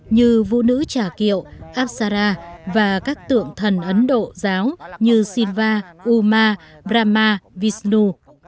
như vũ nữ trà kiệu apsara và các tượng thần ấn độ giáo như sinhva uma brahma vishnu